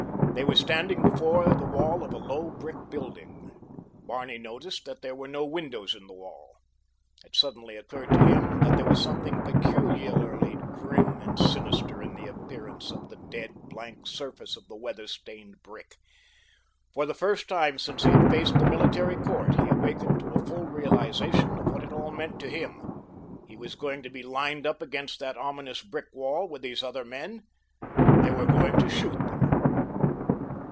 They were standing before the wall of a low brick building. Barney noticed that there were no windows in the wall. It suddenly occurred to him that there was something peculiarly grim and sinister in the appearance of the dead, blank surface of weather stained brick. For the first time since he had faced the military court he awakened to a full realization of what it all meant to him—he was going to be lined up against that ominous brick wall with these other men—they were going to shoot them.